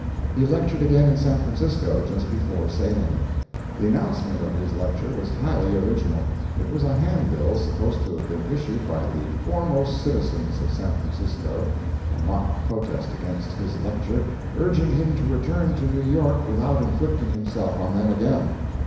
He lectured again in San Francisco just before sailing. The announcement of his lecture was highly original. It was a hand bill supposed to have been issued by the foremost citizens of San Francisco, a mock protest against his lecture, urging him to return to New York without inflicting himself on them again.